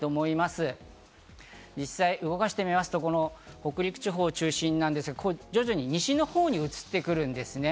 実際、動かしてみますと北陸地方を中心なんですが、徐々に西のほうに移ってくるんですね。